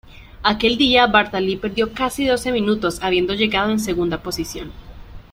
Aquel día, Bartali perdió casi doce minutos habiendo llegado en segunda posición.